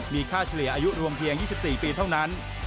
มีค่าเฉลี่ยอายุรวมเพียง๒๔ปีเท่านั้น